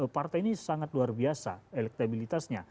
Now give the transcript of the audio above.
partai ini sangat luar biasa elektabilitasnya